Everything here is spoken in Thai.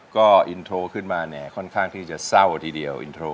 ก็อินโทรขึ้นมาเนี่ยค่อนข้างที่จะเศร้าทีเดียวอินโทร